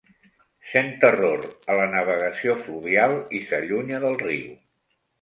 Sent terror a la navegació fluvial i s'allunya del riu.